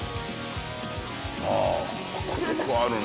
ああ迫力あるね！